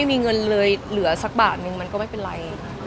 ไม่มีเงินเลยเหลือสักบาทนึงมันก็ไม่เป็นไร